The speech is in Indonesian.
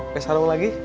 pakai sarung lagi